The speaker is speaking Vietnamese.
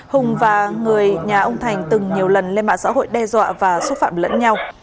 hùng và người nhà ông thành từng nhiều lần lên mạng xã hội đe dọa và xúc phạm lẫn nhau